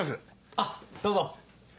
あっどうぞ。